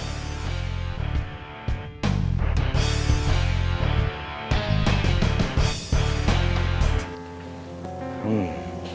sakti kamu sudah tahu